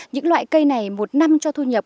những loại cây này một năm cho thu nhập